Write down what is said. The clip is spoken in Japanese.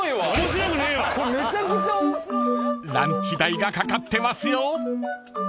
［ランチ代がかかってますよ］